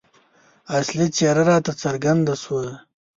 اصلي څېره راته څرګنده شوه.